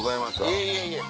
いえいえいえ。